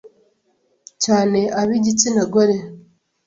cyane abi igitsina gore,